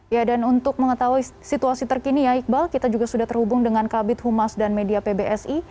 ya dan untuk mengetahui situasi terkini ya iqbal kita juga sudah terhubung dengan kabit humas dan media pbsi